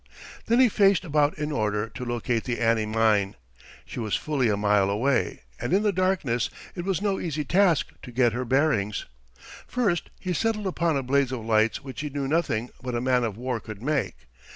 Then he faced about in order to locate the Annie Mine. She was fully a mile away, and in the darkness it was no easy task to get her bearings. First, he settled upon a blaze of lights which he knew nothing but a man of war could make.